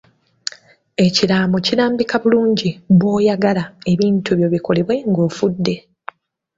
Ekiraamo kilambika bulungi bw'oyagala ebintu byo bikolebwe ng'ofudde.